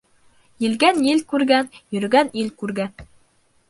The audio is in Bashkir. Елгән ел күргән, йөрөгән ил күргән.